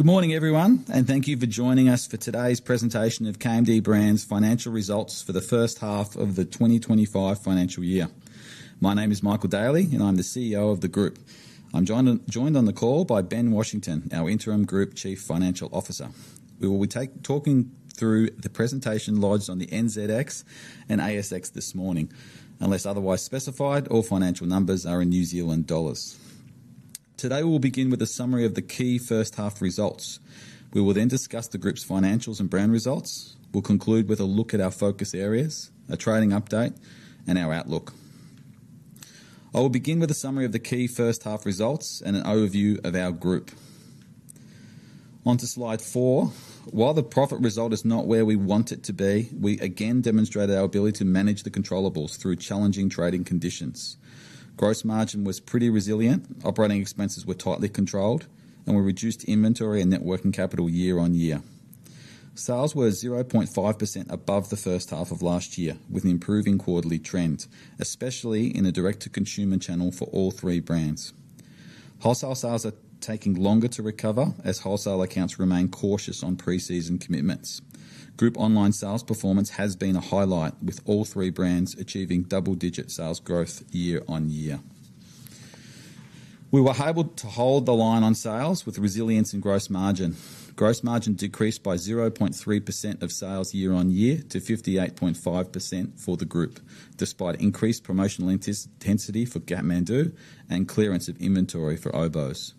Good morning, everyone, and thank you for joining us for today's presentation of KMD Brands' financial results for the first half of the 2025 financial year. My name is Michael Daly, and I'm the CEO of the group. I'm joined on the call by Ben Washington, our Interim Group Chief Financial Officer. We will be talking through the presentation lodged on the NZX and ASX this morning. Unless otherwise specified, all financial numbers are in NZD. Today, we will begin with a summary of the key first-half results. We will then discuss the group's financials and brand results. We'll conclude with a look at our focus areas, a trading update, and our outlook. I will begin with a summary of the key first-half results and an overview of our group. Onto slide four. While the profit result is not where we want it to be, we again demonstrated our ability to manage the controllable through challenging trading conditions. Gross margin was pretty resilient, operating expenses were tightly controlled, and we reduced inventory and net working capital year on year. Sales were 0.5% above the first half of last year, with an improving quarterly trend, especially in a direct-to-consumer channel for all three brands. Wholesale sales are taking longer to recover as wholesale accounts remain cautious on pre-season commitments. Group online sales performance has been a highlight, with all three brands achieving double-digit sales growth year on year. We were able to hold the line on sales with resilience in gross margin. Gross margin decreased by 0.3% of sales year on year to 58.5% for the group, despite increased promotional intensity for Kathmandu and clearance of inventory for Oboz.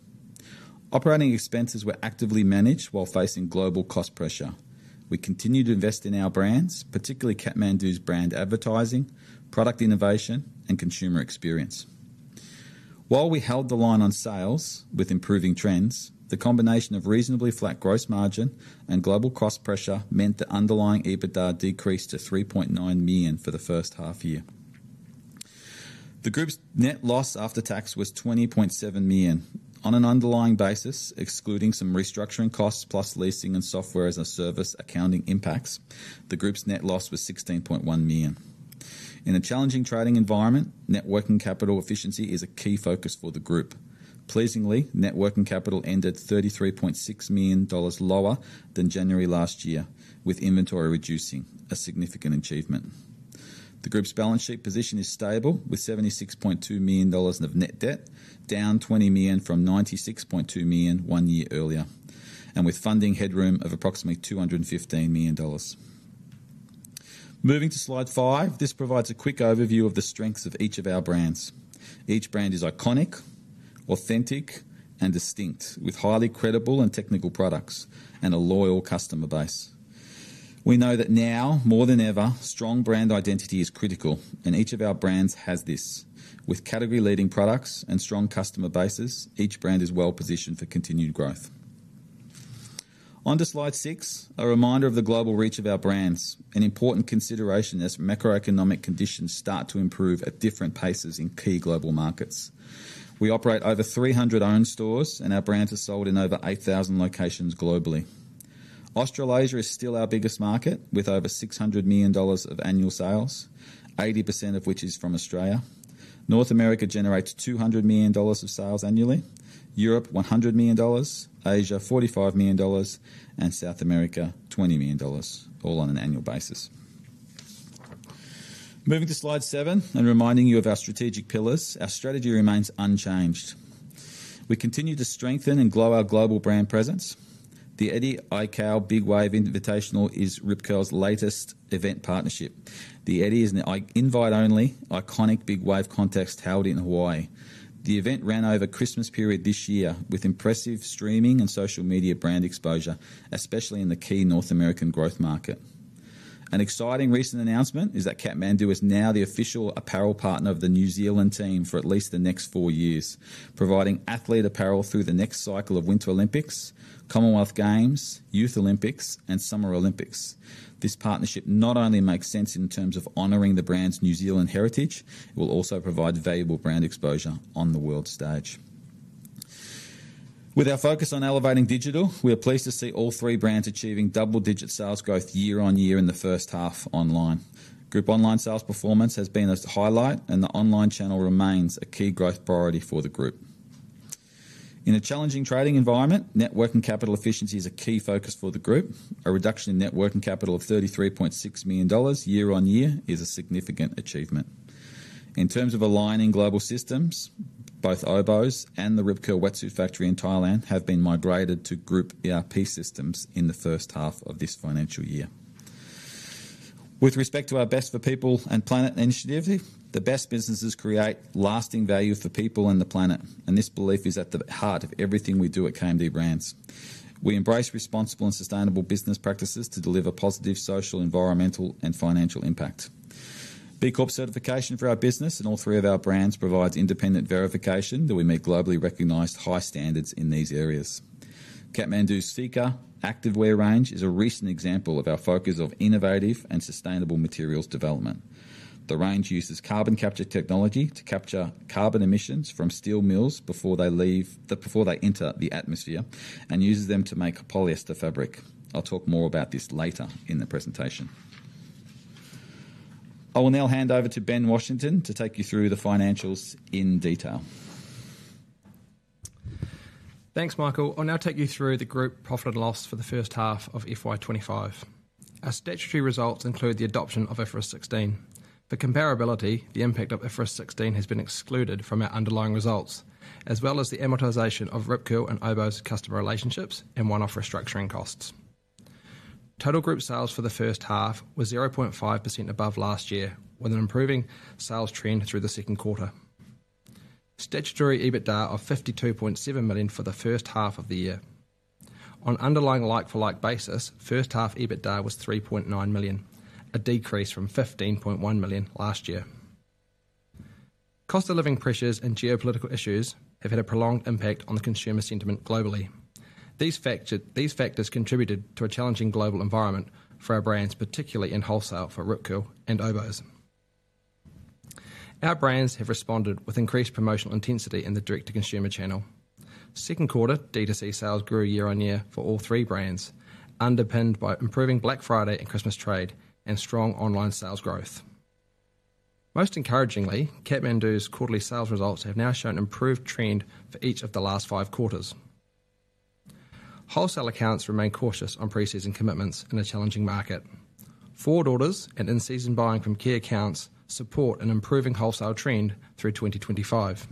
Operating expenses were actively managed while facing global cost pressure. We continued to invest in our brands, particularly Kathmandu's brand advertising, product innovation, and consumer experience. While we held the line on sales with improving trends, the combination of reasonably flat gross margin and global cost pressure meant the underlying EBITDA decreased to 3.9 million for the first half year. The group's net loss after tax was 20.7 million. On an underlying basis, excluding some restructuring costs plus leasing and software as a service accounting impacts, the group's net loss was 16.1 million. In a challenging trading environment, net working capital efficiency is a key focus for the group. Pleasingly, net working capital ended 33.6 million dollars lower than January last year, with inventory reducing, a significant achievement. The group's balance sheet position is stable with NZD 76.2 million of net debt, down NZD 20 million from NZD 96.2 million one year earlier, and with funding headroom of approximately NZD 215 million. Moving to slide five, this provides a quick overview of the strengths of each of our brands. Each brand is iconic, authentic, and distinct, with highly credible and technical products and a loyal customer base. We know that now, more than ever, strong brand identity is critical, and each of our brands has this. With category-leading products and strong customer bases, each brand is well-positioned for continued growth. Onto slide six, a reminder of the global reach of our brands, an important consideration as macroeconomic conditions start to improve at different paces in key global markets. We operate over 300 owned stores, and our brands are sold in over 8,000 locations globally. Australasia is still our biggest market with over 600 million dollars of annual sales, 80% of which is from Australia. North America generates 200 million dollars of sales annually, Europe 100 million dollars, Asia 45 million dollars, and South America 20 million dollars, all on an annual basis. Moving to slide seven and reminding you of our strategic pillars, our strategy remains unchanged. We continue to strengthen and grow our global brand presence. The Eddie Aikau Big Wave Invitational is Rip Curl's latest event partnership. The Eddie is an invite-only iconic big wave contest held in Hawaii. The event ran over the Christmas period this year with impressive streaming and social media brand exposure, especially in the key North American growth market. An exciting recent announcement is that Kathmandu is now the official apparel partner of the New Zealand team for at least the next four years, providing athlete apparel through the next cycle of Winter Olympics, Commonwealth Games, Youth Olympics, and Summer Olympics. This partnership not only makes sense in terms of honoring the brand's New Zealand heritage, it will also provide valuable brand exposure on the world stage. With our focus on elevating digital, we are pleased to see all three brands achieving double-digit sales growth year on year in the first half online. Group online sales performance has been a highlight, and the online channel remains a key growth priority for the group. In a challenging trading environment, net working capital efficiency is a key focus for the group. A reduction in net working capital of 33.6 million dollars year on year is a significant achievement. In terms of aligning global systems, both Oboz and the Rip Curl wetsuit factory in Thailand have been migrated to group ERP systems in the first half of this financial year. With respect to our Best for People and Planet initiative, the best businesses create lasting value for people and the planet, and this belief is at the heart of everything we do at KMD Brands. We embrace responsible and sustainable business practices to deliver positive social, environmental, and financial impact. B Corp certification for our business and all three of our brands provides independent verification that we meet globally recognized high standards in these areas. Kathmandu's Seeker activewear range is a recent example of our focus on innovative and sustainable materials development. The range uses carbon capture technology to capture carbon emissions from steel mills before they enter the atmosphere and uses them to make polyester fabric. I'll talk more about this later in the presentation. I will now hand over to Ben Washington to take you through the financials in detail. Thanks, Michael. I'll now take you through the group profit and loss for the first half of FY 2025. Our statutory results include the adoption of IFRS 16. For comparability, the impact of IFRS 16 has been excluded from our underlying results, as well as the amortization of Rip Curl and Oboz customer relationships and one-off restructuring costs. Total group sales for the first half was 0.5% above last year, with an improving sales trend through the second quarter. Statutory EBITDA of 52.7 million for the first half of the year. On an underlying like-for-like basis, first-half EBITDA was 3.9 million, a decrease from 15.1 million last year. Cost of living pressures and geopolitical issues have had a prolonged impact on the consumer sentiment globally. These factors contributed to a challenging global environment for our brands, particularly in wholesale for Rip Curl and Oboz. Our brands have responded with increased promotional intensity in the direct-to-consumer channel. Second quarter D2C sales grew year on year for all three brands, underpinned by improving Black Friday and Christmas trade and strong online sales growth. Most encouragingly, Kathmandu's quarterly sales results have now shown an improved trend for each of the last five quarters. Wholesale accounts remain cautious on pre-season commitments in a challenging market. Forward orders and in-season buying from key accounts support an improving wholesale trend through 2025.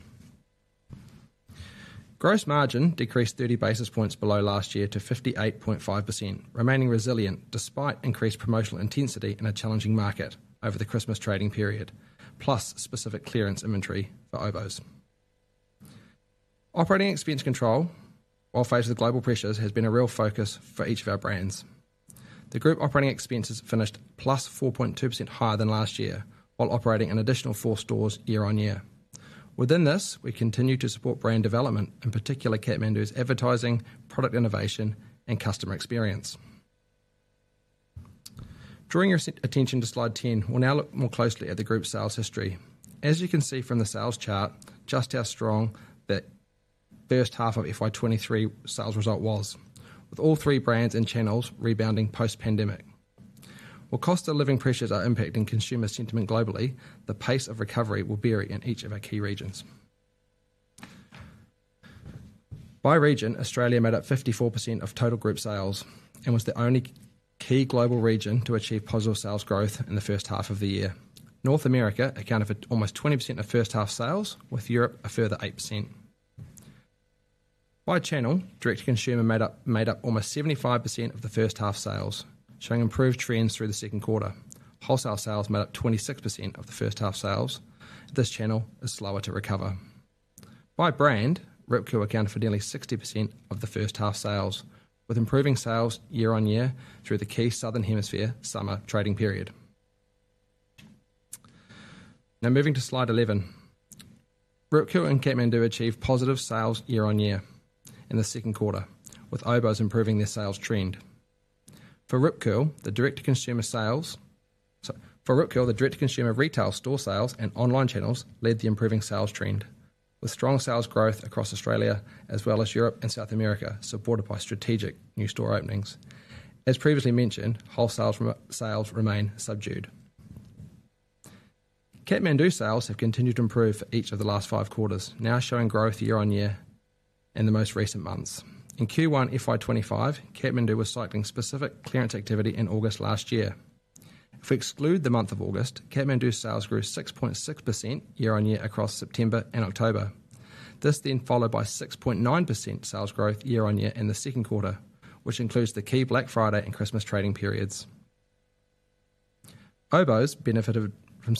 Gross margin decreased 30 basis points below last year to 58.5%, remaining resilient despite increased promotional intensity in a challenging market over the Christmas trading period, plus specific clearance inventory for Oboz. Operating expense control, while faced with global pressures, has been a real focus for each of our brands. The group operating expenses finished plus 4.2% higher than last year, while operating an additional four stores year on year. Within this, we continue to support brand development, in particular Kathmandu's advertising, product innovation, and customer experience. Drawing your attention to slide 10, we'll now look more closely at the group sales history. As you can see from the sales chart, just how strong the first half of FY 2023 sales result was, with all three brands and channels rebounding post-pandemic. While cost of living pressures are impacting consumer sentiment globally, the pace of recovery will vary in each of our key regions. By region, Australia made up 54% of total group sales and was the only key global region to achieve positive sales growth in the first half of the year. North America accounted for almost 20% of first-half sales, with Europe a further 8%. By channel, direct-to-consumer made up almost 75% of the first-half sales, showing improved trends through the second quarter. Wholesale sales made up 26% of the first-half sales. This channel is slower to recover. By brand, Rip Curl accounted for nearly 60% of the first-half sales, with improving sales year on year through the key Southern Hemisphere summer trading period. Now moving to slide 11, Rip Curl and Kathmandu achieved positive sales year on year in the second quarter, with Oboz improving their sales trend. For Rip Curl, the direct-to-consumer retail store sales and online channels led to improving sales trend, with strong sales growth across Australia as well as Europe and South America supported by strategic new store openings. As previously mentioned, wholesale sales remain subdued. Kathmandu sales have continued to improve for each of the last five quarters, now showing growth year on year in the most recent months. In Q1 FY 2025, Kathmandu was cycling specific clearance activity in August last year. If we exclude the month of August, Kathmandu sales grew 6.6% year on year across September and October. This then followed by 6.9% sales growth year on year in the second quarter, which includes the key Black Friday and Christmas trading periods. Oboz benefited from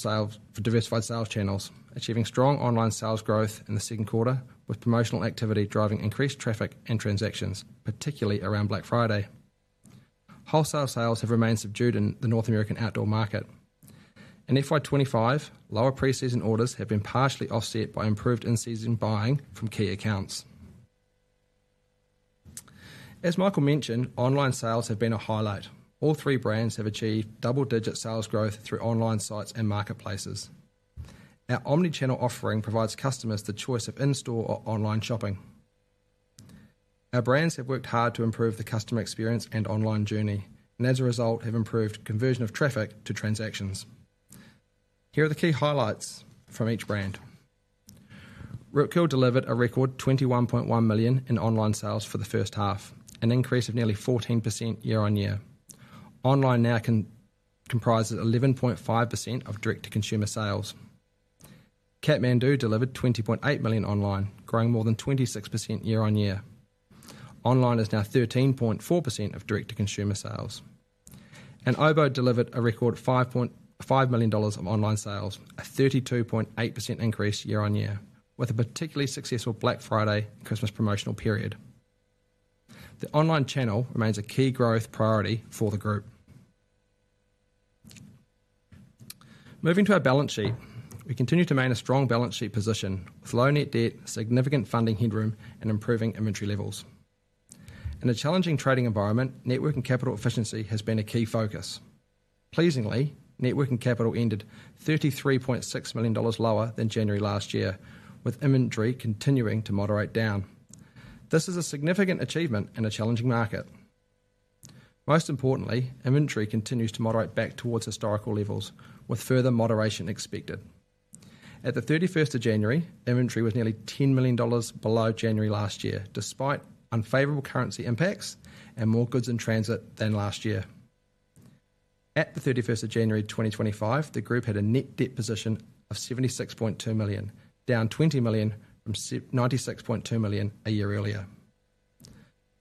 diversified sales channels, achieving strong online sales growth in the second quarter, with promotional activity driving increased traffic and transactions, particularly around Black Friday. Wholesale sales have remained subdued in the North American outdoor market. In FY 2025, lower pre-season orders have been partially offset by improved in-season buying from key accounts. As Michael mentioned, online sales have been a highlight. All three brands have achieved double-digit sales growth through online sites and marketplaces. Our omnichannel offering provides customers the choice of in-store or online shopping. Our brands have worked hard to improve the customer experience and online journey, and as a result, have improved conversion of traffic to transactions. Here are the key highlights from each brand. Rip Curl delivered a record 21.1 million in online sales for the first half, an increase of nearly 14% year on year. Online now comprises 11.5% of direct-to-consumer sales. Kathmandu delivered 20.8 million online, growing more than 26% year on year. Online is now 13.4% of direct-to-consumer sales. Oboz delivered a record $5.5 million of online sales, a 32.8% increase year on year, with a particularly successful Black Friday Christmas promotional period. The online channel remains a key growth priority for the group. Moving to our balance sheet, we continue to maintain a strong balance sheet position with low net debt, significant funding headroom, and improving inventory levels. In a challenging trading environment, net working capital efficiency has been a key focus. Pleasingly, net working capital ended NZD 33.6 million lower than January last year, with inventory continuing to moderate down. This is a significant achievement in a challenging market. Most importantly, inventory continues to moderate back towards historical levels, with further moderation expected. At the 31st of January, inventory was nearly 10 million dollars below January last year, despite unfavorable currency impacts and more goods in transit than last year. At the 31st of January 2025, the group had a net debt position of 76.2 million, down 20 million from 96.2 million a year earlier.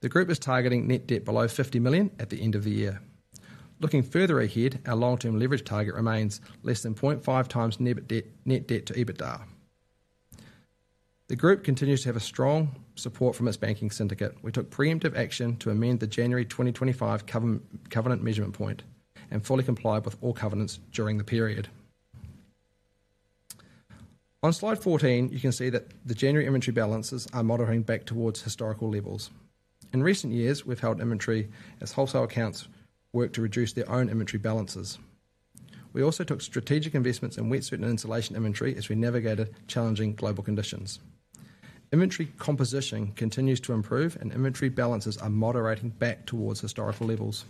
The group is targeting net debt below 50 million at the end of the year. Looking further ahead, our long-term leverage target remains less than 0.5 times net debt to EBITDA. The group continues to have strong support from its banking syndicate. We took preemptive action to amend the January 2025 covenant measurement point and fully complied with all covenants during the period. On slide 14, you can see that the January inventory balances are moderating back towards historical levels. In recent years, we've held inventory as wholesale accounts work to reduce their own inventory balances. We also took strategic investments in wetsuit and insulation inventory as we navigated challenging global conditions. Inventory composition continues to improve, and inventory balances are moderating back towards historical levels.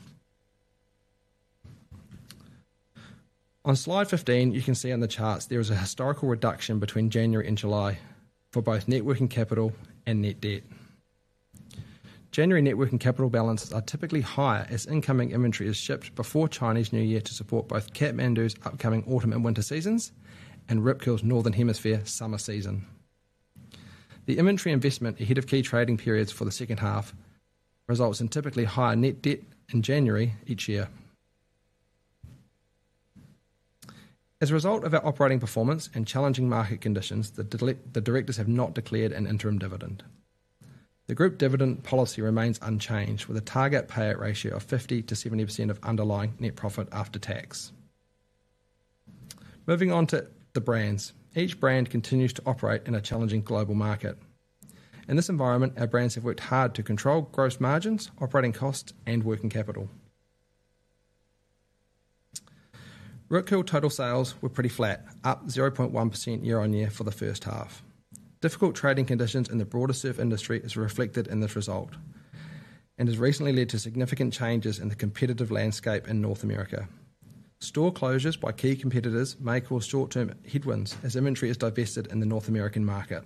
On slide 15, you can see on the charts there is a historical reduction between January and July for both net working capital and net debt. January net working capital balances are typically higher as incoming inventory is shipped before Chinese New Year to support both Kathmandu's upcoming autumn and winter seasons and Rip Curl's Northern Hemisphere summer season. The inventory investment ahead of key trading periods for the second half results in typically higher net debt in January each year. As a result of our operating performance and challenging market conditions, the directors have not declared an interim dividend. The group dividend policy remains unchanged, with a target payout ratio of 50%-70% of underlying net profit after tax. Moving on to the brands, each brand continues to operate in a challenging global market. In this environment, our brands have worked hard to control gross margins, operating costs, and working capital. Rip Curl total sales were pretty flat, up 0.1% year on year for the first half. Difficult trading conditions in the broader surf industry are reflected in this result and have recently led to significant changes in the competitive landscape in North America. Store closures by key competitors may cause short-term headwinds as inventory is divested in the North American market.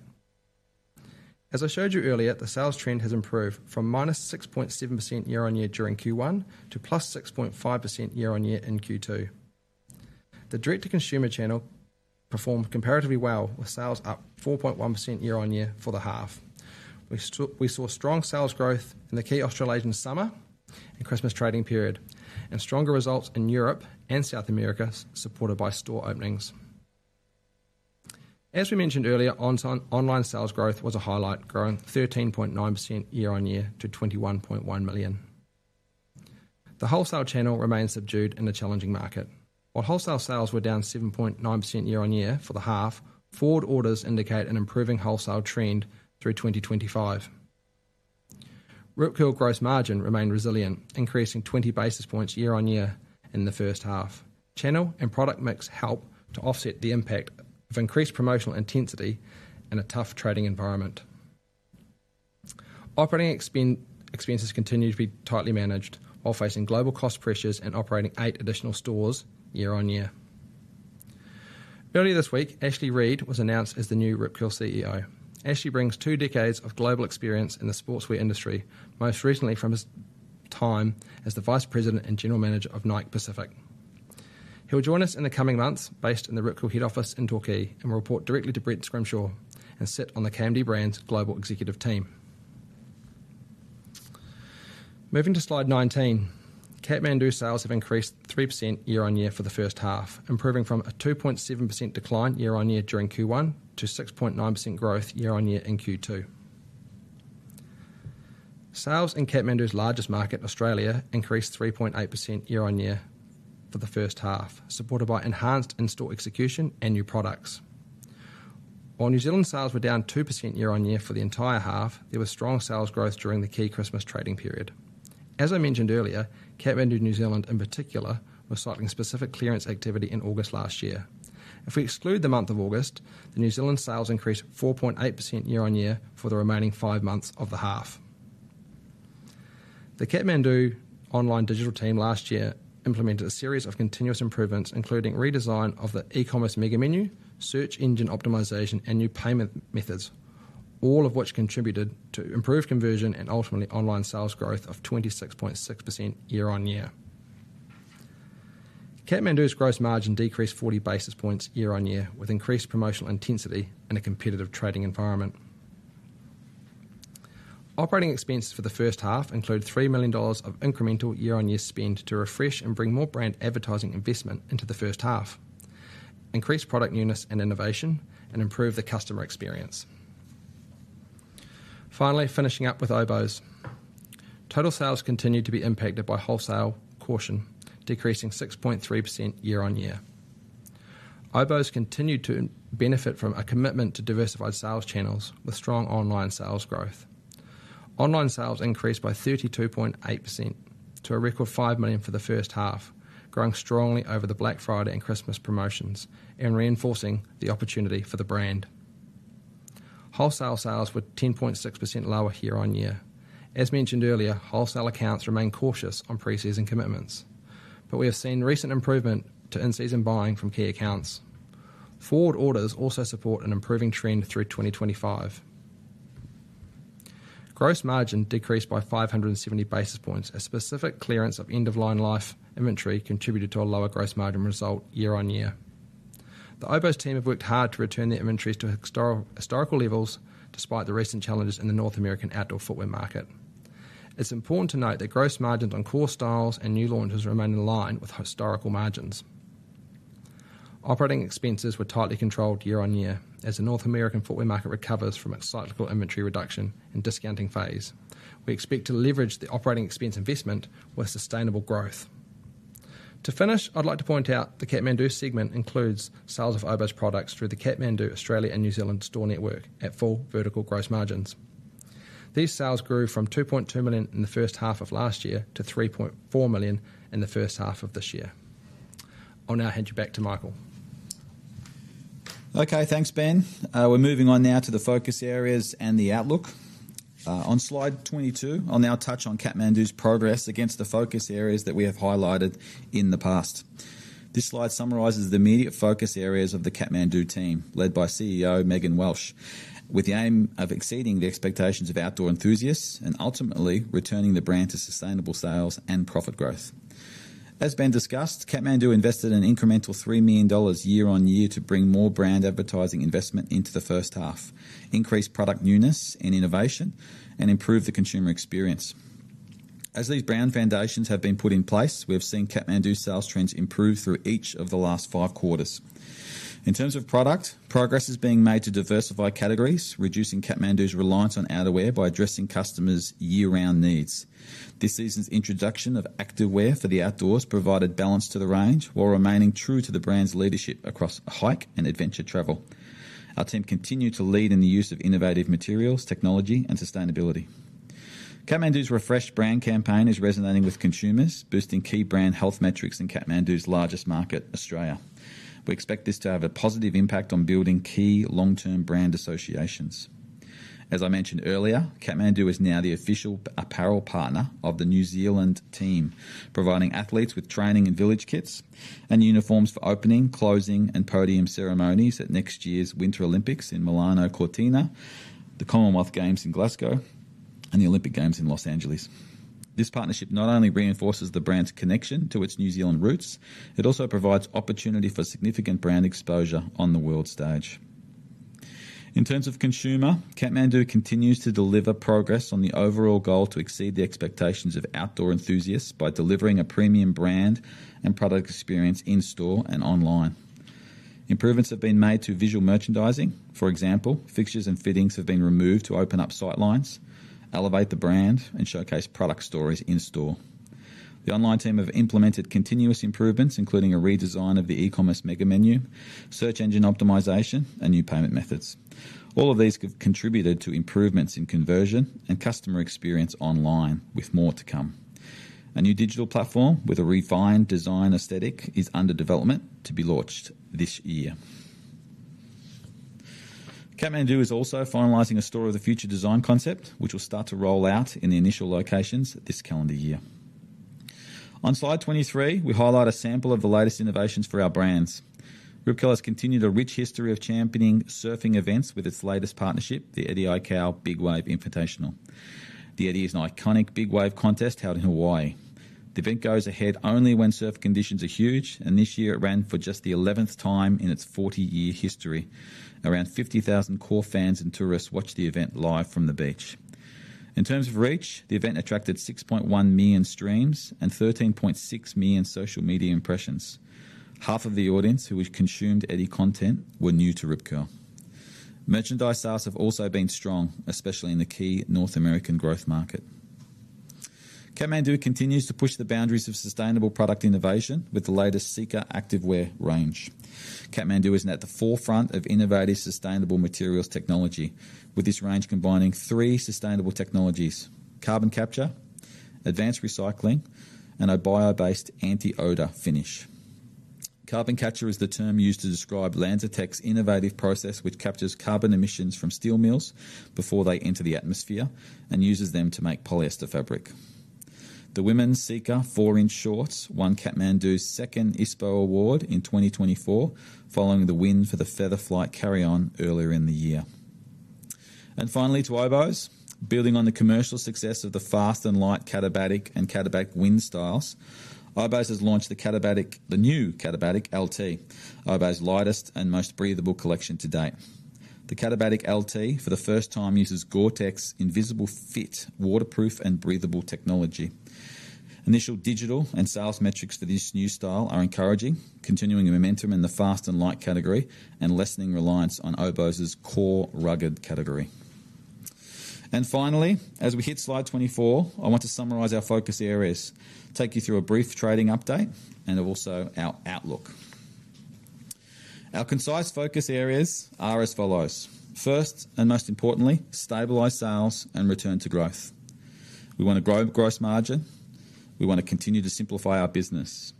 As I showed you earlier, the sales trend has improved from -6.7% year on year during Q1 to +6.5% year on year in Q2. The direct-to-consumer channel performed comparatively well, with sales up 4.1% year on year for the half. We saw strong sales growth in the key Australasian summer and Christmas trading period and stronger results in Europe and South America, supported by store openings. As we mentioned earlier, online sales growth was a highlight, growing 13.9% year on year to NZD 21.1 million. The wholesale channel remains subdued in a challenging market. While wholesale sales were down 7.9% year on year for the half, forward orders indicate an improving wholesale trend through 2025. Rip Curl gross margin remained resilient, increasing 20 basis points year on year in the first half. Channel and product mix helped to offset the impact of increased promotional intensity in a tough trading environment. Operating expenses continue to be tightly managed while facing global cost pressures and operating eight additional stores year on year. Earlier this week, Ashley Reade was announced as the new Rip Curl CEO. Ashley brings two decades of global experience in the sportswear industry, most recently from his time as the Vice President and General Manager of Nike Pacific. He'll join us in the coming months, based in the Rip Curl head office in Torquay, and will report directly to Brent Scrimshaw and sit on the KMD Brands global executive team. Moving to slide 19, Kathmandu sales have increased 3% year on year for the first half, improving from a 2.7% decline year on year during Q1 to 6.9% growth year on year in Q2. Sales in Kathmandu's largest market, Australia, increased 3.8% year on year for the first half, supported by enhanced in-store execution and new products. While New Zealand sales were down 2% year on year for the entire half, there was strong sales growth during the key Christmas trading period. As I mentioned earlier, Kathmandu New Zealand in particular was cycling specific clearance activity in August last year. If we exclude the month of August, the New Zealand sales increased 4.8% year on year for the remaining five months of the half. The Kathmandu online digital team last year implemented a series of continuous improvements, including redesign of the e-commerce mega menu, search engine optimization, and new payment methods, all of which contributed to improved conversion and ultimately online sales growth of 26.6% year on year. Kathmandu's gross margin decreased 40 basis points year on year with increased promotional intensity in a competitive trading environment. Operating expenses for the first half include 3 million dollars of incremental year-on-year spend to refresh and bring more brand advertising investment into the first half, increase product newness and innovation, and improve the customer experience. Finally, finishing up with Oboz, total sales continued to be impacted by wholesale caution, decreasing 6.3% year on year. Oboz continued to benefit from a commitment to diversified sales channels with strong online sales growth. Online sales increased by 32.8% to a record 5 million for the first half, growing strongly over the Black Friday and Christmas promotions and reinforcing the opportunity for the brand. Wholesale sales were 10.6% lower year on year. As mentioned earlier, wholesale accounts remain cautious on pre-season commitments, but we have seen recent improvement to in-season buying from key accounts. Forward orders also support an improving trend through 2025. Gross margin decreased by 570 basis points as specific clearance of end-of-line life inventory contributed to a lower gross margin result year on year. The Oboz team have worked hard to return their inventories to historical levels despite the recent challenges in the North American outdoor footwear market. It's important to note that gross margins on core styles and new launches remain in line with historical margins. Operating expenses were tightly controlled year on year as the North American footwear market recovers from its cyclical inventory reduction and discounting phase. We expect to leverage the operating expense investment with sustainable growth. To finish, I'd like to point out the Kathmandu segment includes sales of Oboz products through the Kathmandu Australia and New Zealand store network at full vertical gross margins. These sales grew from 2.2 million in the first half of last year to 3.4 million in the first half of this year. I'll now hand you back to Michael. Okay, thanks, Ben. We're moving on now to the focus areas and the outlook. On slide 22, I'll now touch on Kathmandu's progress against the focus areas that we have highlighted in the past. This slide summarizes the immediate focus areas of the Kathmandu team, led by CEO Megan Welch, with the aim of exceeding the expectations of outdoor enthusiasts and ultimately returning the brand to sustainable sales and profit growth. As Ben discussed, Kathmandu invested an incremental 3 million dollars year on year to bring more brand advertising investment into the first half, increase product newness and innovation, and improve the consumer experience. As these brand foundations have been put in place, we have seen Kathmandu sales trends improve through each of the last five quarters. In terms of product, progress is being made to diversify categories, reducing Kathmandu's reliance on outerwear by addressing customers' year-round needs. This season's introduction of active wear for the outdoors provided balance to the range while remaining true to the brand's leadership across hike and adventure travel. Our team continues to lead in the use of innovative materials, technology, and sustainability. Kathmandu's refreshed brand campaign is resonating with consumers, boosting key brand health metrics in Kathmandu's largest market, Australia. We expect this to have a positive impact on building key long-term brand associations. As I mentioned earlier, Kathmandu is now the official apparel partner of the New Zealand team, providing athletes with training and village kits and uniforms for opening, closing, and podium ceremonies at next year's Winter Olympics in Milano Cortina, the Commonwealth Games in Glasgow, and the Olympic Games in Los Angeles. This partnership not only reinforces the brand's connection to its New Zealand roots, it also provides opportunity for significant brand exposure on the world stage. In terms of consumer, Kathmandu continues to deliver progress on the overall goal to exceed the expectations of outdoor enthusiasts by delivering a premium brand and product experience in store and online. Improvements have been made to visual merchandising. For example, fixtures and fittings have been removed to open up sightlines, elevate the brand, and showcase product stories in store. The online team have implemented continuous improvements, including a redesign of the e-commerce mega menu, search engine optimization, and new payment methods. All of these have contributed to improvements in conversion and customer experience online, with more to come. A new digital platform with a refined design aesthetic is under development to be launched this year. Kathmandu is also finalizing a Store of the Future design concept, which will start to roll out in the initial locations this calendar year. On slide 23, we highlight a sample of the latest innovations for our brands. Rip Curl has continued a rich history of championing surfing events with its latest partnership, The Eddie Aikau Big Wave Invitational. The Eddie is an iconic big wave contest held in Hawaii. The event goes ahead only when surf conditions are huge, and this year it ran for just the 11th time in its 40-year history. Around 50,000 core fans and tourists watched the event live from the beach. In terms of reach, the event attracted 6.1 million streams and 13.6 million social media impressions. Half of the audience who consumed Eddie content were new to Rip Curl. Merchandise sales have also been strong, especially in the key North American growth market. Kathmandu continues to push the boundaries of sustainable product innovation with the latest Seeker activewear range. Kathmandu is at the forefront of innovative sustainable materials technology, with this range combining three sustainable technologies: carbon capture, advanced recycling, and a bio-based anti-odor finish. Carbon capture is the term used to describe LanzaTech's innovative process, which captures carbon emissions from steel mills before they enter the atmosphere and uses them to make polyester fabric. The women's Seeker 4-inch shorts won Kathmandu's second ISPO award in 2024, following the win for the Feather Flight carry-on earlier in the year. Finally, to Oboz, building on the commercial success of the fast and light Katabatic and Katabatic Wind styles, Oboz has launched the new Katabatic LT, Oboz's lightest and most breathable collection to date. The Katabatic LT, for the first time, uses Gore-Tex Invisible Fit, waterproof, and breathable technology. Initial digital and sales metrics for this new style are encouraging, continuing momentum in the fast and light category and lessening reliance on Oboz's core rugged category. Finally, as we hit slide 24, I want to summarize our focus areas, take you through a brief trading update, and also our outlook. Our concise focus areas are as follows. First and most importantly, stabilize sales and return to growth. We want to grow gross margin. We want to continue to simplify our business.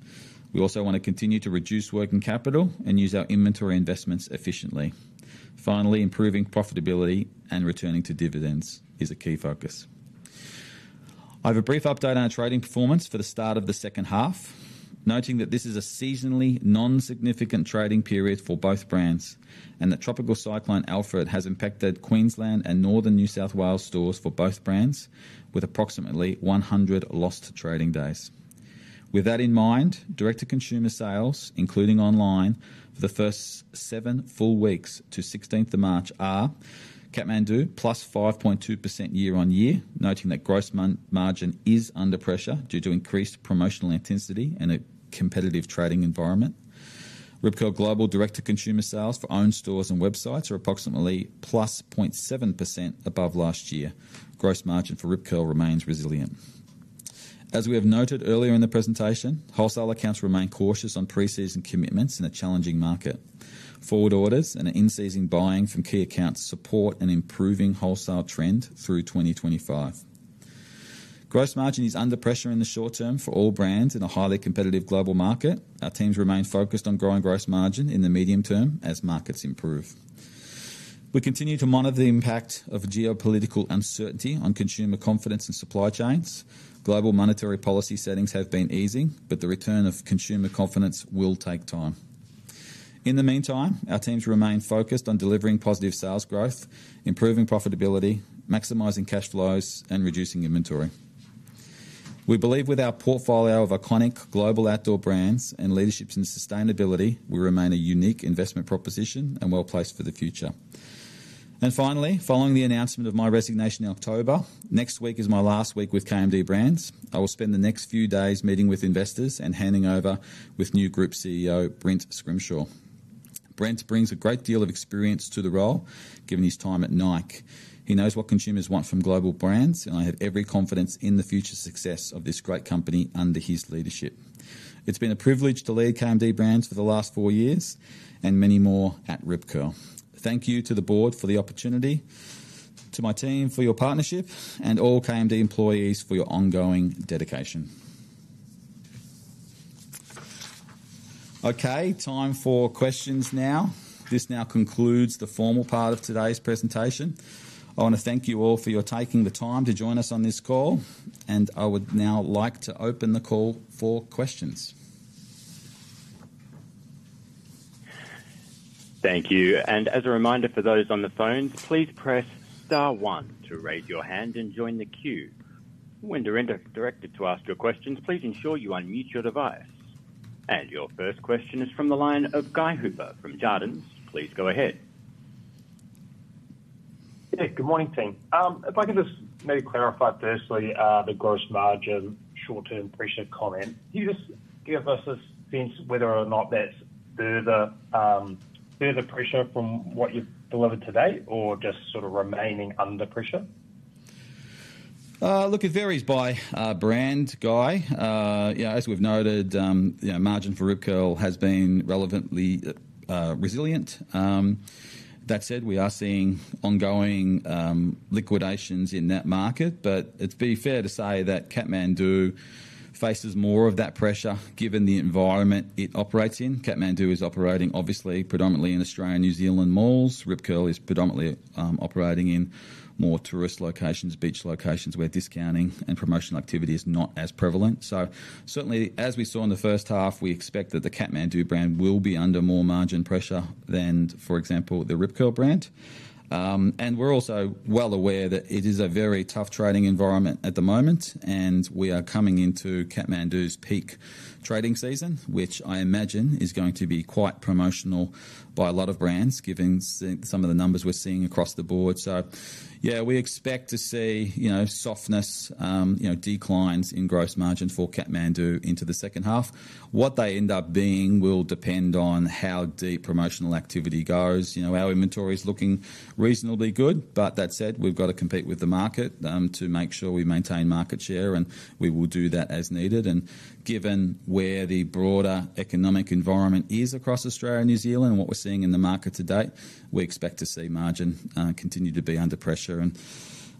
We also want to continue to reduce working capital and use our inventory investments efficiently. Finally, improving profitability and returning to dividends is a key focus. I have a brief update on our trading performance for the start of the second half, noting that this is a seasonally non-significant trading period for both brands and that Tropical Cyclone Alfred has impacted Queensland and northern New South Wales stores for both brands with approximately 100 lost trading days. With that in mind, direct-to-consumer sales, including online, for the first seven full weeks to 16th of March are Kathmandu plus 5.2% year on year, noting that gross margin is under pressure due to increased promotional intensity and a competitive trading environment. Rip Curl global direct-to-consumer sales for owned stores and websites are approximately plus 0.7% above last year. Gross margin for Rip Curl remains resilient. As we have noted earlier in the presentation, wholesale accounts remain cautious on pre-season commitments in a challenging market. Forward orders and in-season buying from key accounts support an improving wholesale trend through 2025. Gross margin is under pressure in the short term for all brands in a highly competitive global market. Our teams remain focused on growing gross margin in the medium term as markets improve. We continue to monitor the impact of geopolitical uncertainty on consumer confidence and supply chains. Global monetary policy settings have been easing, but the return of consumer confidence will take time. In the meantime, our teams remain focused on delivering positive sales growth, improving profitability, maximizing cash flows, and reducing inventory. We believe with our portfolio of iconic global outdoor brands and leadership in sustainability, we remain a unique investment proposition and well-placed for the future. Finally, following the announcement of my resignation in October, next week is my last week with KMD Brands. I will spend the next few days meeting with investors and handing over with new Group CEO Brent Scrimshaw. Brent brings a great deal of experience to the role, given his time at Nike. He knows what consumers want from global brands, and I have every confidence in the future success of this great company under his leadership. It's been a privilege to lead KMD Brands for the last four years and many more at Rip Curl. Thank you to the board for the opportunity, to my team for your partnership, and all KMD employees for your ongoing dedication. Okay, time for questions now. This now concludes the formal part of today's presentation. I want to thank you all for taking the time to join us on this call, and I would now like to open the call for questions. Thank you. As a reminder for those on the phone, please press star one to raise your hand and join the queue. When directed to ask your questions, please ensure you unmute your device. Your first question is from the line of Guy Hooper from Jarden. Please go ahead. Hey, good morning, team. If I can just maybe clarify firstly the gross margin short-term pressure comment. Can you just give us a sense whether or not that's further pressure from what you've delivered today or just sort of remaining under pressure? Look, it varies by brand, Guy. As we've noted, margin for Rip Curl has been relatively resilient. That said, we are seeing ongoing liquidations in that market, but it'd be fair to say that Kathmandu faces more of that pressure given the environment it operates in. Kathmandu is operating, obviously, predominantly in Australia and New Zealand malls. Rip Curl is predominantly operating in more tourist locations, beach locations where discounting and promotional activity is not as prevalent. Certainly, as we saw in the first half, we expect that the Kathmandu brand will be under more margin pressure than, for example, the Rip Curl brand. We are also well aware that it is a very tough trading environment at the moment, and we are coming into Kathmandu's peak trading season, which I imagine is going to be quite promotional by a lot of brands, given some of the numbers we are seeing across the board. Yeah, we expect to see softness, declines in gross margin for Kathmandu into the second half. What they end up being will depend on how deep promotional activity goes. Our inventory is looking reasonably good, but that said, we have to compete with the market to make sure we maintain market share, and we will do that as needed. Given where the broader economic environment is across Australia and New Zealand and what we are seeing in the market today, we expect to see margin continue to be under pressure.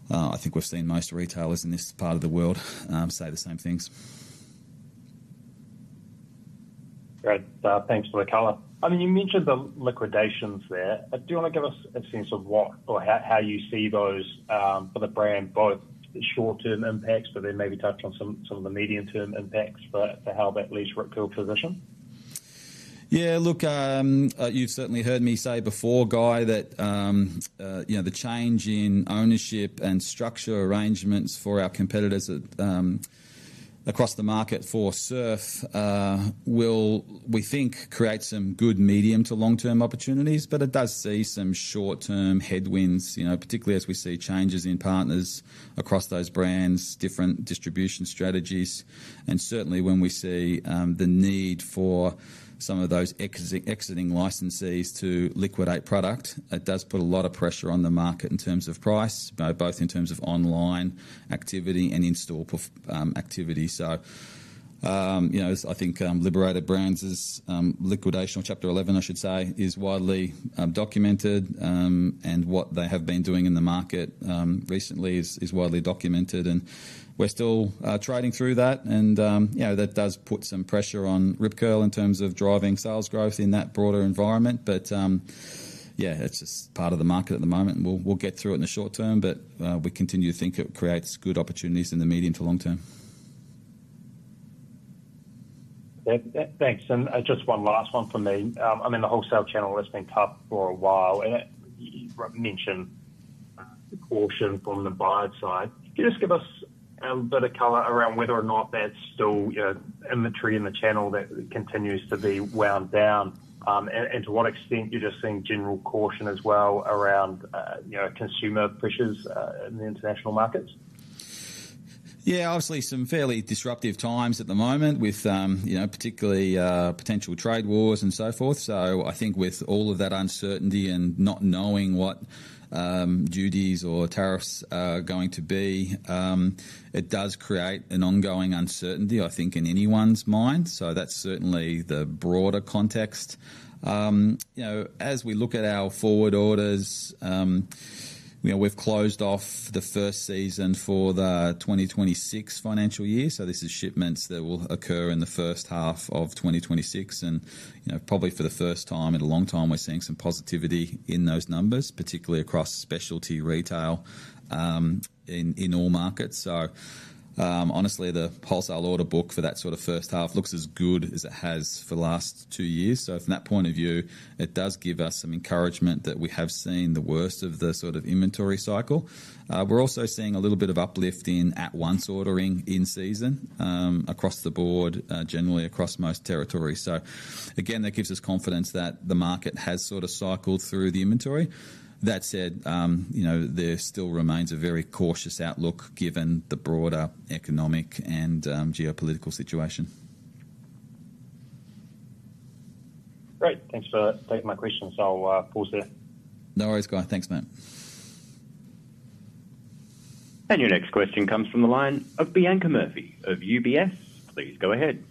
I think we have seen most retailers in this part of the world say the same things. Great. Thanks for the color. I mean, you mentioned the liquidations there. Do you want to give us a sense of what or how you see those for the brand, both short-term impacts, but then maybe touch on some of the medium-term impacts for how that leaves Rip Curl position? Yeah, look, you've certainly heard me say before, Guy, that the change in ownership and structure arrangements for our competitors across the market for surf will, we think, create some good medium to long-term opportunities. It does see some short-term headwinds, particularly as we see changes in partners across those brands, different distribution strategies. Certainly, when we see the need for some of those exiting licensees to liquidate product, it does put a lot of pressure on the market in terms of price, both in terms of online activity and in-store activity. I think Liberated Brands' liquidation, or Chapter 11, I should say, is widely documented, and what they have been doing in the market recently is widely documented. We're still trading through that, and that does put some pressure on Rip Curl in terms of driving sales growth in that broader environment. Yeah, it's just part of the market at the moment. We'll get through it in the short term, but we continue to think it creates good opportunities in the medium to long term. Thanks. Just one last one for me. I mean, the wholesale channel has been tough for a while, and you mentioned caution from the buyer side. Can you just give us a bit of color around whether or not that's still in the tree in the channel that continues to be wound down? To what extent are you just seeing general caution as well around consumer pressures in the international markets? Yeah, obviously some fairly disruptive times at the moment, particularly potential trade wars and so forth. I think with all of that uncertainty and not knowing what duties or tariffs are going to be, it does create an ongoing uncertainty, I think, in anyone's mind. That is certainly the broader context. As we look at our forward orders, we've closed off the first season for the 2026 financial year. This is shipments that will occur in the first half of 2026. Probably for the first time in a long time, we're seeing some positivity in those numbers, particularly across specialty retail in all markets. Honestly, the wholesale order book for that sort of first half looks as good as it has for the last two years. From that point of view, it does give us some encouragement that we have seen the worst of the sort of inventory cycle. We're also seeing a little bit of uplift in at-once ordering in season across the board, generally across most territory. That gives us confidence that the market has sort of cycled through the inventory. That said, there still remains a very cautious outlook given the broader economic and geopolitical situation. Great. Thanks for taking my questions. I'll pause there. No worries, Guy. Thanks, mate. Your next question comes from the line of Bianca Murphy of UBS. Please go ahead.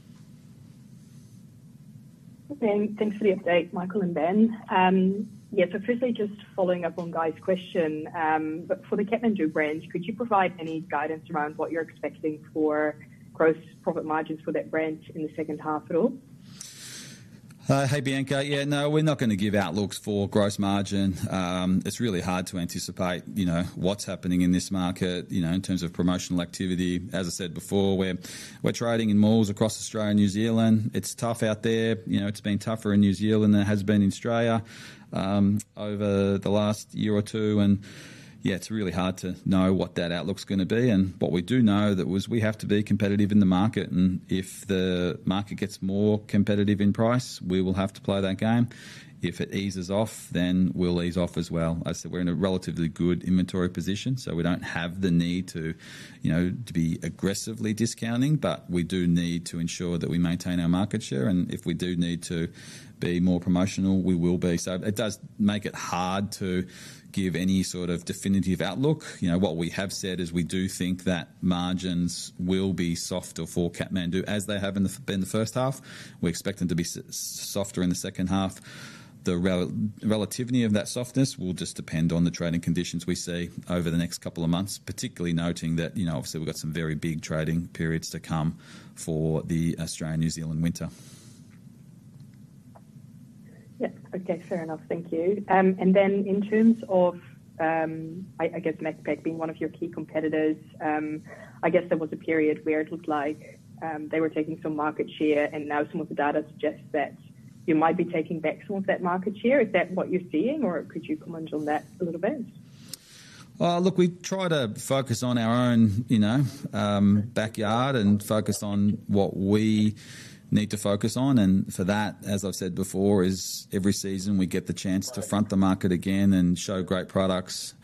Thanks for the update, Michael and Ben. Yeah, so firstly, just following up on Guy's question, but for the Kathmandu brand, could you provide any guidance around what you're expecting for gross profit margins for that brand in the second half at all? Hey, Bianca. Yeah, no, we're not going to give outlooks for gross margin. It's really hard to anticipate what's happening in this market in terms of promotional activity. As I said before, we're trading in malls across Australia and New Zealand. It's tough out there. It's been tougher in New Zealand than it has been in Australia over the last year or two. Yeah, it's really hard to know what that outlook's going to be. What we do know is we have to be competitive in the market. If the market gets more competitive in price, we will have to play that game. If it eases off, then we'll ease off as well. As I said, we're in a relatively good inventory position, so we don't have the need to be aggressively discounting, but we do need to ensure that we maintain our market share. If we do need to be more promotional, we will be. It does make it hard to give any sort of definitive outlook. What we have said is we do think that margins will be softer for Kathmandu as they have been the first half. We expect them to be softer in the second half. The relativity of that softness will just depend on the trading conditions we see over the next couple of months, particularly noting that obviously we've got some very big trading periods to come for the Australia-New Zealand winter. Yeah. Okay, fair enough. Thank you. In terms of, I guess, Macpac being one of your key competitors, I guess there was a period where it looked like they were taking some market share, and now some of the data suggests that you might be taking back some of that market share. Is that what you're seeing, or could you comment on that a little bit? Look, we try to focus on our own backyard and focus on what we need to focus on. For that, as I've said before, every season we get the chance to front the market again and show great products,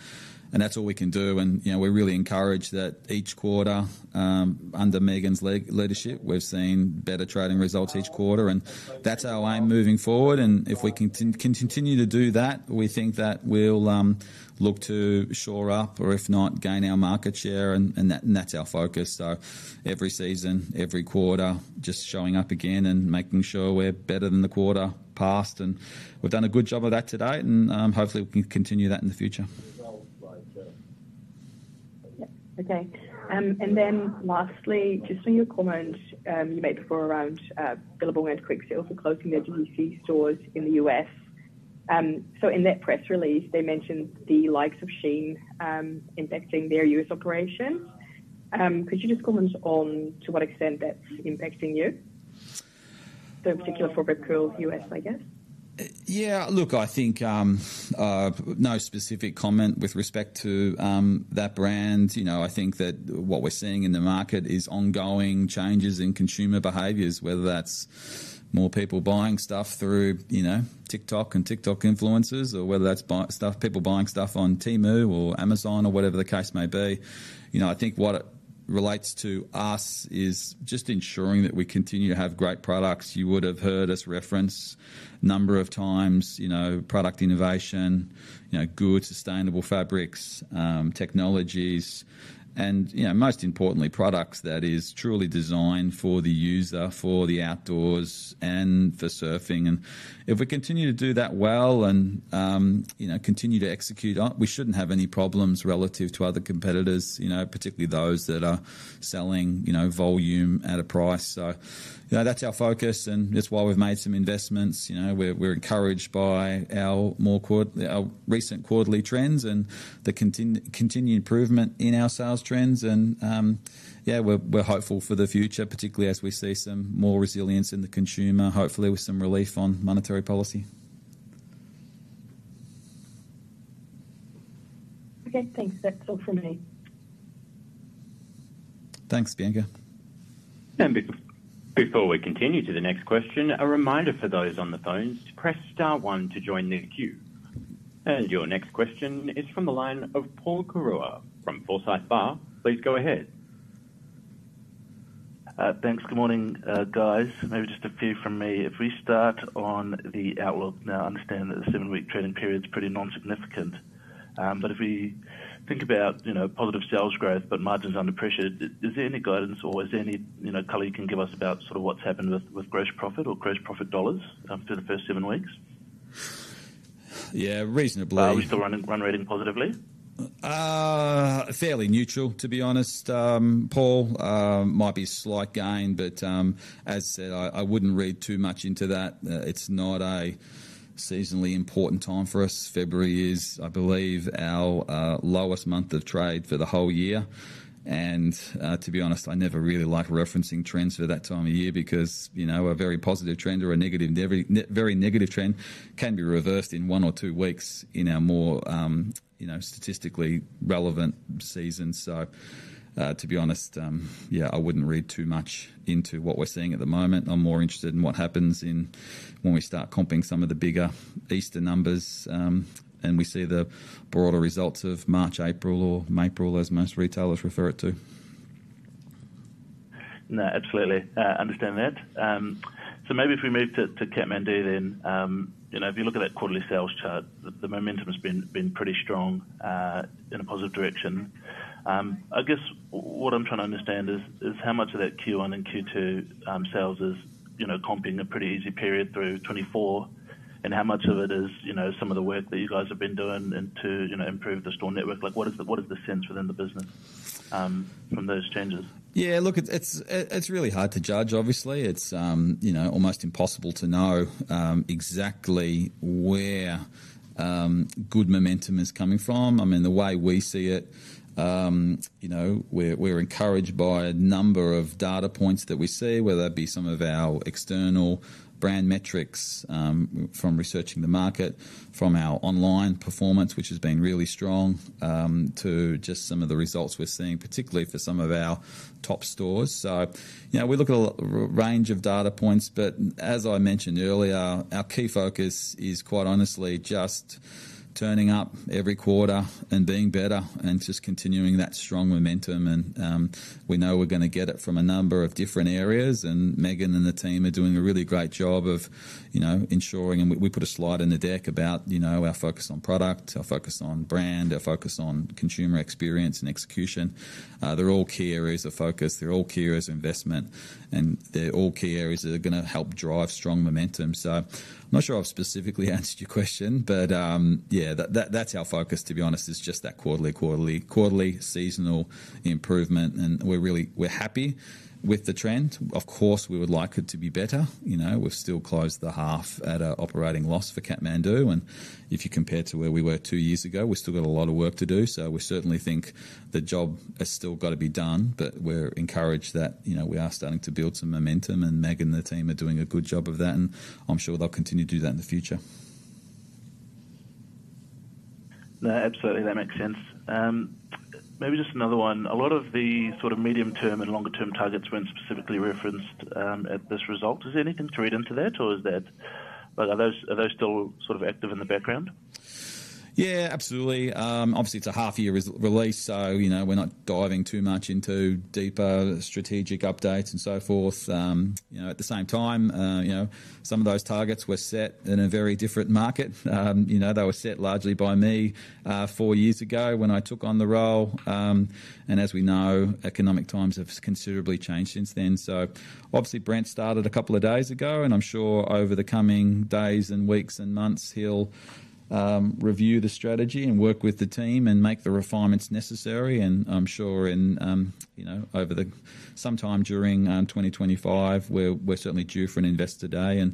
and that's all we can do. We really encourage that each quarter under Megan's leadership, we've seen better trading results each quarter, and that's our aim moving forward. If we can continue to do that, we think that we'll look to shore up, or if not, gain our market share, and that's our focus. Every season, every quarter, just showing up again and making sure we're better than the quarter past. We've done a good job of that today, and hopefully we can continue that in the future. Yeah. Okay. Lastly, just on your comment you made before around Billabong and Quiksilver for closing their DTC stores in the U.S., in that press release, they mentioned the likes of Shein impacting their U.S. operations. Could you just comment on to what extent that's impacting you? In particular for Rip Curl U.S., I guess. Yeah, look, I think no specific comment with respect to that brand. I think that what we're seeing in the market is ongoing changes in consumer behaviors, whether that's more people buying stuff through TikTok and TikTok influencers, or whether that's people buying stuff on Temu or Amazon or whatever the case may be. I think what it relates to us is just ensuring that we continue to have great products. You would have heard us reference a number of times product innovation, good sustainable fabrics, technologies, and most importantly, products that are truly designed for the user, for the outdoors, and for surfing. If we continue to do that well and continue to execute, we shouldn't have any problems relative to other competitors, particularly those that are selling volume at a price. That is our focus, and that is why we have made some investments. We are encouraged by our recent quarterly trends and the continued improvement in our sales trends. Yeah, we are hopeful for the future, particularly as we see some more resilience in the consumer, hopefully with some relief on monetary policy. Okay, thanks. That is all from me. Thanks, Bianca. Before we continue to the next question, a reminder for those on the phone to press star one to join the queue. Your next question is from the line of Paul Koraua from Forsyth Barr. Please go ahead. Thanks. Good morning, guys. Maybe just a few from me. If we start on the outlook, now I understand that the seven-week trading period is pretty non-significant, but if we think about positive sales growth but margins under pressure, is there any guidance or is there any color you can give us about sort of what's happened with gross profit or gross profit dollars for the first seven weeks? Yeah, reasonably. Are we still running positively? Fairly neutral, to be honest, Paul. Might be a slight gain, but as I said, I wouldn't read too much into that. It's not a seasonally important time for us. February is, I believe, our lowest month of trade for the whole year. To be honest, I never really like referencing trends for that time of year because a very positive trend or a very negative trend can be reversed in one or two weeks in our more statistically relevant season. To be honest, yeah, I would not read too much into what we are seeing at the moment. I am more interested in what happens when we start comping some of the bigger Easter numbers and we see the broader results of March, April, or April, as most retailers refer to it. No, absolutely. I understand that. Maybe if we move to Kathmandu then, if you look at that quarterly sales chart, the momentum has been pretty strong in a positive direction. I guess what I'm trying to understand is how much of that Q1 and Q2 sales is comping a pretty easy period through 2024, and how much of it is some of the work that you guys have been doing to improve the store network? What is the sense within the business from those changes? Yeah, look, it's really hard to judge, obviously. It's almost impossible to know exactly where good momentum is coming from. I mean, the way we see it, we're encouraged by a number of data points that we see, whether that be some of our external brand metrics from researching the market, from our online performance, which has been really strong, to just some of the results we're seeing, particularly for some of our top stores. We look at a range of data points, but as I mentioned earlier, our key focus is quite honestly just turning up every quarter and being better and just continuing that strong momentum. We know we're going to get it from a number of different areas, and Megan and the team are doing a really great job of ensuring, and we put a slide in the deck about our focus on product, our focus on brand, our focus on consumer experience and execution. They're all key areas of focus. They're all key areas of investment, and they're all key areas that are going to help drive strong momentum. I'm not sure I've specifically answered your question, but yeah, that's our focus, to be honest, is just that quarterly, quarterly, quarterly seasonal improvement. We're happy with the trend. Of course, we would like it to be better. We've still closed the half at an operating loss for Kathmandu, and if you compare to where we were two years ago, we've still got a lot of work to do. We certainly think the job has still got to be done, but we're encouraged that we are starting to build some momentum, and Megan and the team are doing a good job of that, and I'm sure they'll continue to do that in the future. No, absolutely. That makes sense. Maybe just another one. A lot of the sort of medium-term and longer-term targets were not specifically referenced at this result, is there anything to read into that, or are those still sort of active in the background? Yeah, absolutely. Obviously, it's a half-year release, so we're not diving too much into deeper strategic updates and so forth. At the same time, some of those targets were set in a very different market. They were set largely by me four years ago when I took on the role. As we know, economic times have considerably changed since then. Obviously, Brent started a couple of days ago, and I'm sure over the coming days and weeks and months, he'll review the strategy and work with the team and make the refinements necessary. I'm sure sometime during 2025, we're certainly due for an investor day.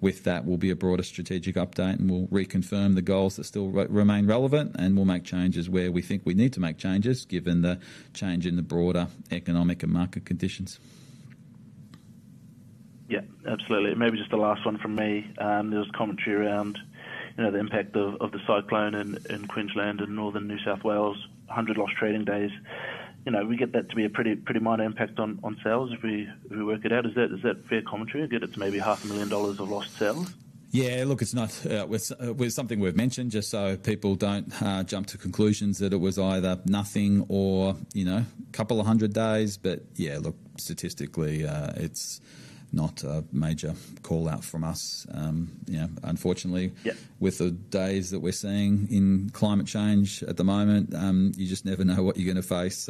With that, there will be a broader strategic update, and we'll reconfirm the goals that still remain relevant, and we'll make changes where we think we need to make changes given the change in the broader economic and market conditions. Yeah, absolutely. Maybe just the last one from me. There was commentary around the impact of the Cyclone in Queensland and northern New South Wales, 100 lost trading days. We get that to be a pretty minor impact on sales if we work it out. Is that fair commentary? I get it's maybe 500,000 dollars of lost sales. Yeah, look, it's not something we've mentioned just so people don't jump to conclusions that it was either nothing or a couple of hundred days. Yeah, look, statistically, it's not a major call-out from us, unfortunately. With the days that we're seeing in climate change at the moment, you just never know what you're going to face.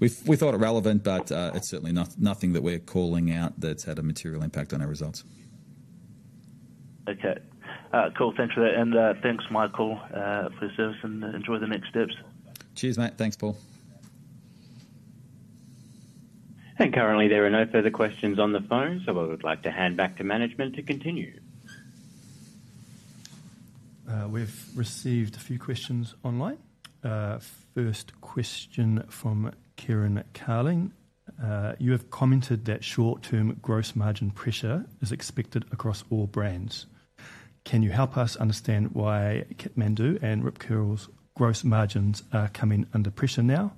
We thought it relevant, but it's certainly nothing that we're calling out that's had a material impact on our results. Okay. Cool. Thanks for that. And thanks, Michael, for your service, and enjoy the next steps. Cheers, mate. Thanks, Paul. Currently, there are no further questions on the phone, so I would like to hand back to management to continue. We've received a few questions online. First question from Kieran Carling. You have commented that short-term gross margin pressure is expected across all brands. Can you help us understand why Kathmandu and Rip Curl's gross margins are coming under pressure now,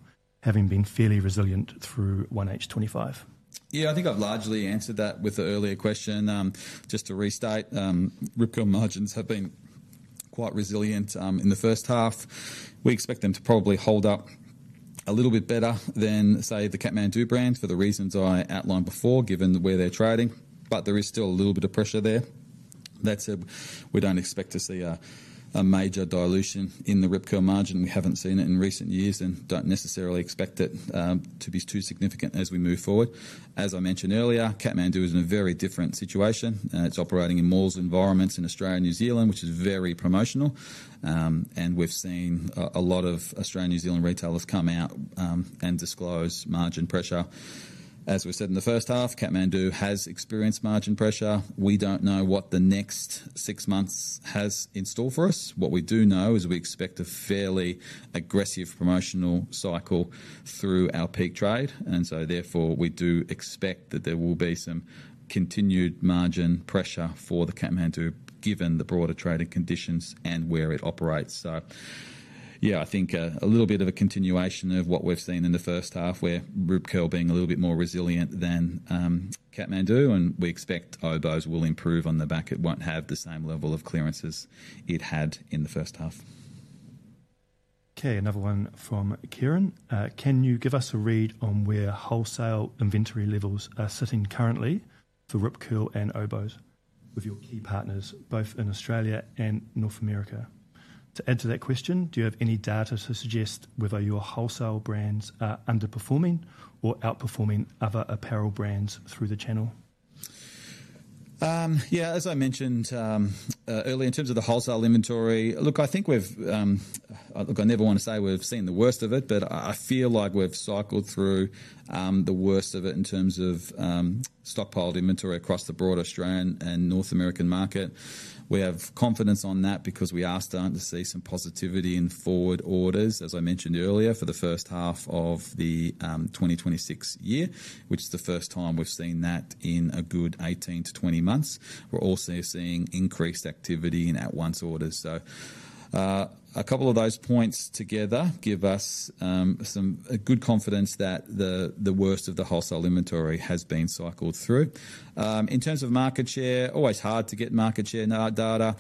having been fairly resilient through 1H 2025? Yeah, I think I've largely answered that with the earlier question. Just to restate, Rip Curl margins have been quite resilient in the first half. We expect them to probably hold up a little bit better than, say, the Kathmandu brand for the reasons I outlined before, given where they're trading. There is still a little bit of pressure there. That said, we don't expect to see a major dilution in the Rip Curl margin. We haven't seen it in recent years and don't necessarily expect it to be too significant as we move forward. As I mentioned earlier, Kathmandu is in a very different situation. It's operating in more environments in Australia and New Zealand, which is very promotional. We've seen a lot of Australia and New Zealand retailers come out and disclose margin pressure. As we said in the first half, Kathmandu has experienced margin pressure. We don't know what the next six months has in store for us. What we do know is we expect a fairly aggressive promotional cycle through our peak trade. Therefore, we do expect that there will be some continued margin pressure for Kathmandu, given the broader trading conditions and where it operates. Yeah, I think a little bit of a continuation of what we've seen in the first half, where Rip Curl being a little bit more resilient than Kathmandu, and we expect Oboz will improve on the back. It won't have the same level of clearances it had in the first half. Okay, another one from Kieran. Can you give us a read on where wholesale inventory levels are sitting currently for Rip Curl and Oboz with your key partners, both in Australia and North America? To add to that question, do you have any data to suggest whether your wholesale brands are underperforming or outperforming other apparel brands through the channel? Yeah, as I mentioned earlier, in terms of the wholesale inventory, look, I think we've—I never want to say we've seen the worst of it, but I feel like we've cycled through the worst of it in terms of stockpiled inventory across the broader Australian and North American market. We have confidence on that because we are starting to see some positivity in forward orders, as I mentioned earlier, for the first half of the 2026 year, which is the first time we've seen that in a good 18-20 months. We're also seeing increased activity in at-once orders. A couple of those points together give us some good confidence that the worst of the wholesale inventory has been cycled through. In terms of market share, always hard to get market share data.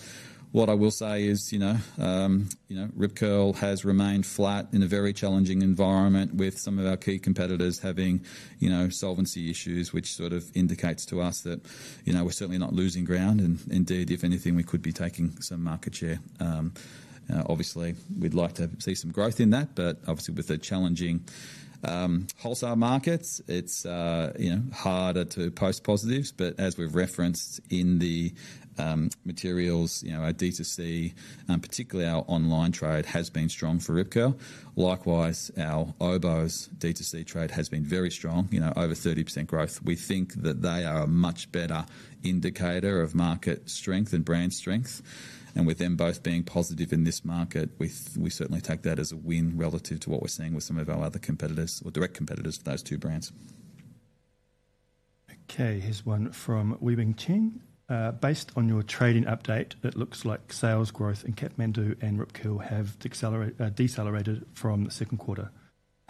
What I will say is Rip Curl has remained flat in a very challenging environment, with some of our key competitors having solvency issues, which sort of indicates to us that we're certainly not losing ground. Indeed, if anything, we could be taking some market share. Obviously, we'd like to see some growth in that, but obviously, with the challenging wholesale markets, it's harder to post positives. As we've referenced in the materials, our D2C, particularly our online trade, has been strong for Rip Curl. Likewise, our Oboz D2C trade has been very strong, over 30% growth. We think that they are a much better indicator of market strength and brand strength. With them both being positive in this market, we certainly take that as a win relative to what we're seeing with some of our other competitors or direct competitors of those two brands. Okay, here's one from Wei-Weng Chen. Based on your trading update, it looks like sales growth in Kathmandu and Rip Curl have decelerated from the second quarter.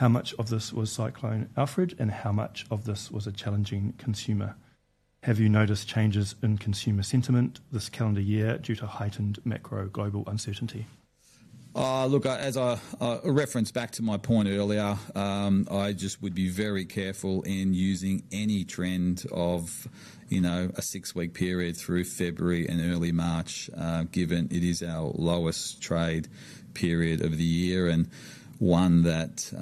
How much of this was Cyclone Alfred, and how much of this was a challenging consumer? Have you noticed changes in consumer sentiment this calendar year due to heightened macro global uncertainty? Look, as a reference back to my point earlier, I just would be very careful in using any trend of a six-week period through February and early March, given it is our lowest trade period of the year and one that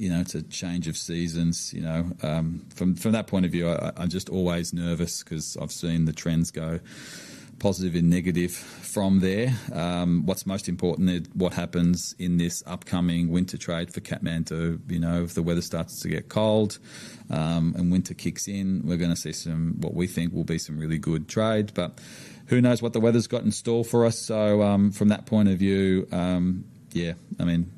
it's a change of seasons. From that point of view, I'm just always nervous because I've seen the trends go positive and negative from there. What's most important is what happens in this upcoming winter trade for Kathmandu. If the weather starts to get cold and winter kicks in, we're going to see what we think will be some really good trade. Who knows what the weather's got in store for us? From that point of view, yeah, I mean,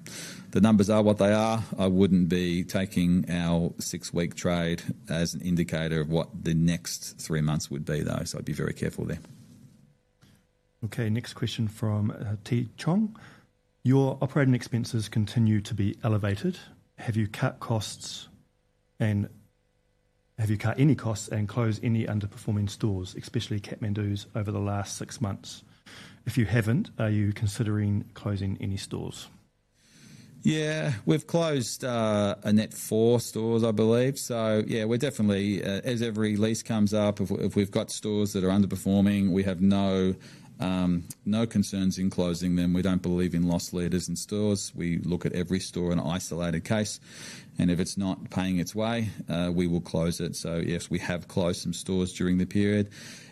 the numbers are what they are. I wouldn't be taking our six-week trade as an indicator of what the next three months would be, though. I'd be very careful there. Okay, next question from T. Chong. Your operating expenses continue to be elevated. Have you cut costs and have you cut any costs and closed any underperforming stores, especially Kathmandu's, over the last six months? If you haven't, are you considering closing any stores? Yeah, we've closed a net four stores, I believe. Yeah, we're definitely, as every lease comes up, if we've got stores that are underperforming, we have no concerns in closing them. We don't believe in loss leaders in stores. We look at every store in an isolated case, and if it's not paying its way, we will close it. Yes, we have closed some stores during the period.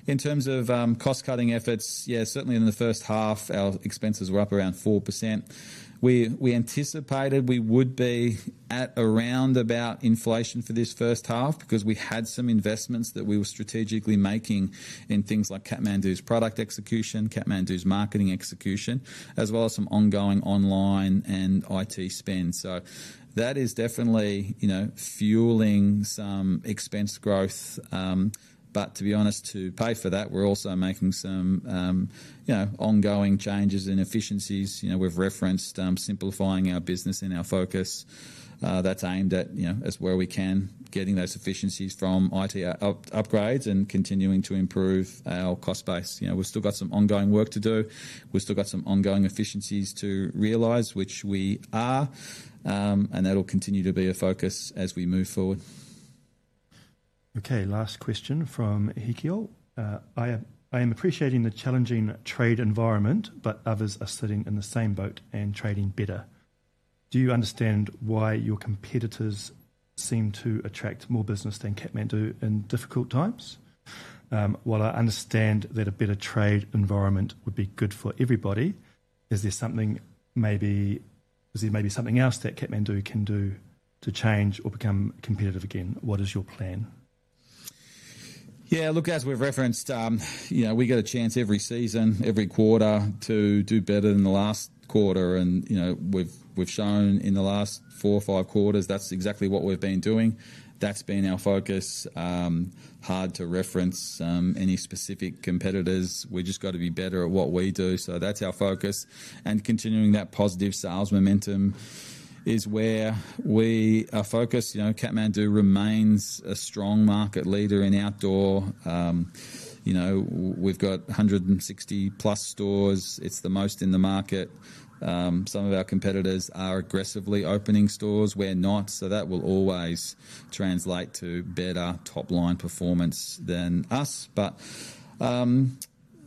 In terms of cost-cutting efforts, yeah, certainly in the first half, our expenses were up around 4%. We anticipated we would be at around about inflation for this first half because we had some investments that we were strategically making in things like Kathmandu's product execution, Kathmandu's marketing execution, as well as some ongoing online and IT spend. That is definitely fueling some expense growth. To be honest, to pay for that, we're also making some ongoing changes in efficiencies. We've referenced simplifying our business and our focus. That's aimed at, as well we can, getting those efficiencies from IT upgrades and continuing to improve our cost base. We've still got some ongoing work to do. We've still got some ongoing efficiencies to realize, which we are, and that'll continue to be a focus as we move forward. Okay, last question from Hikkyol. I am appreciating the challenging trade environment, but others are sitting in the same boat and trading better. Do you understand why your competitors seem to attract more business than Kathmandu in difficult times? While I understand that a better trade environment would be good for everybody, is there something maybe something else that Kathmandu can do to change or become competitive again? What is your plan? Yeah, look, as we've referenced, we get a chance every season, every quarter, to do better than the last quarter. We have shown in the last four or five quarters, that's exactly what we've been doing. That's been our focus. Hard to reference any specific competitors. We've just got to be better at what we do. That is our focus. Continuing that positive sales momentum is where we are focused. Kathmandu remains a strong market leader in outdoor. We've got 160 plus stores. It's the most in the market. Some of our competitors are aggressively opening stores. We're not. That will always translate to better top-line performance than us.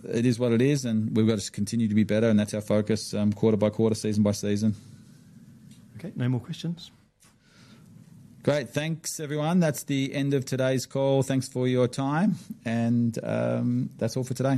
It is what it is, and we've got to continue to be better, and that's our focus quarter by quarter, season by season. Okay, no more questions. Great. Thanks, everyone. That's the end of today's call. Thanks for your time. That's all for today.